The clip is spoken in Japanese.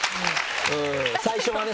最初はね